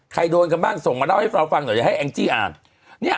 โดนกันบ้างส่งมาเล่าให้เราฟังหน่อยจะให้แองจี้อ่านเนี่ย